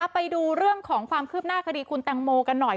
ไปดูเรื่องของความคืบหน้าคดีคุณแตงโมกันหน่อย